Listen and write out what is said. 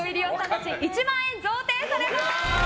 たち１万円贈呈されます。